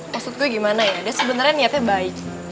maksud gue gimana ya dia sebenernya niatnya baik